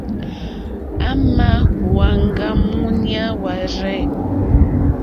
À mà hwáŋgá wûɲá wárzɛ̂.